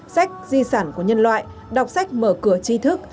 sách di sản của nhân loại đọc sách mở cửa chi thức